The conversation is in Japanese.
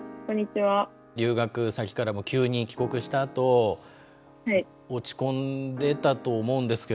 留学先からも急に帰国したあと落ち込んでたと思うんですけれども。